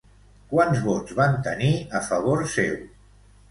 Quants vots van tenir a favor seu?